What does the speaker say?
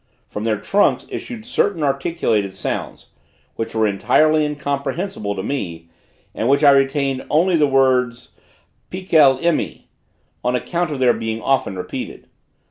From their trunks issued certain articulated sounds, which were entirely incomprehensible to me, and of which I retained only the words: Pikel Emi, on account of their being often repeated.